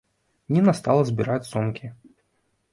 Ніна стала збіраць сумкі.